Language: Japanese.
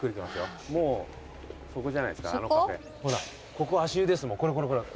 ここ足湯ですもんこれこれ。